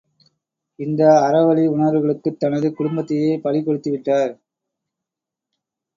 இந்த அறவழி உணர்வுகளுக்குத் தனது குடும்பத்தையே பலி கொடுத்துவிட்டார்.